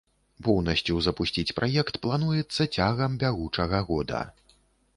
Поўнасцю запусціць праект плануецца цягам бягучага года.